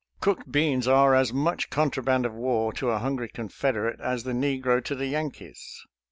Cooked beans are as much contraband of war to a hungry Confeder ate, as the negro to the Yankees.